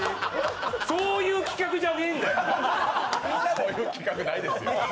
そういう企画ないですよ。